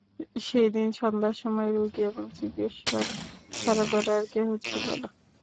সেইদিন সন্ধ্যার সময় রোগী এবং চিকিৎক ছাড়া ঘরে আর কেহ ছিল না।